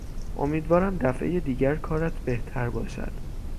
امیدوارم دفعهی دیگر کارت بهتر باشد.